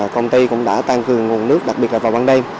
công ty cũng đã tăng cường nguồn nước đặc biệt là vào ban đêm